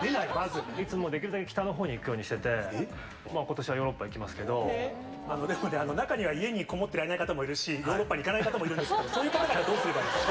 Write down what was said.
いつもできるだけ北のほうに行くようにしてて、ことしはヨーロッ中には、家に籠ってられない方もいるし、ヨーロッパに行かない方もいるんですけど、そういう方々、どうすればいいんですか？